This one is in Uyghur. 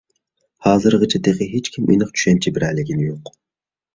ھازىرغىچە تېخى ھېچكىم ئېنىق چۈشەنچە بېرەلىگىنى يوق.